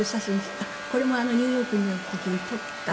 あっこれもニューヨークにいた時に撮った写真。